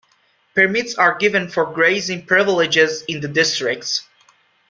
Permits are given for grazing privileges in the districts.